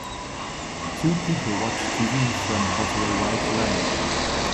Two people watch TV from over a white ledge.